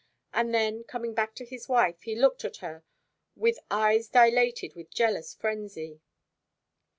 And then, coming back to his wife, he looked at her with eyes dilated with jealous frenzy.